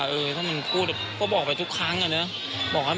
เพราะว่าเขาจะยังไงเนี่ยไหม